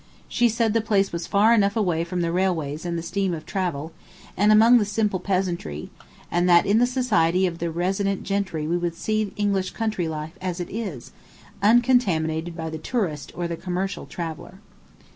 She said the place was far enough away from railways and the stream of travel, and among the simple peasantry, and that in the society of the resident gentry we would see English country life as it is, uncontaminated by the tourist or the commercial traveller.